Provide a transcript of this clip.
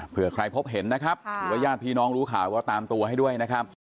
เพื่อใครพบเห็นนะครับหรือว่าญาติพี่น้องรู้ข่าวก็ตามตัวให้ด้วยนะครับ